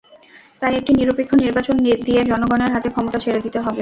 তাই একটি নিরপেক্ষ নির্বাচন দিয়ে জনগণের হাতে ক্ষমতা ছেড়ে দিতে হবে।